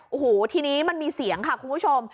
โอ้โหทีนี้มันมีเสียงค่ะคุณผู้ชม